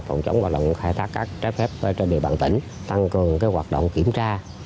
phòng chống hoạt động khai thác cát trái phép trên địa bàn tỉnh tăng cường hoạt động kiểm tra